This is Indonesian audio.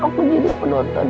aku jadi penonton tv